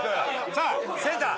さあセンター